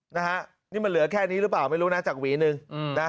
นะฮะนี่มันเหลือแค่นี้หรือเปล่าไม่รู้นะจากหวีหนึ่งอืมนะ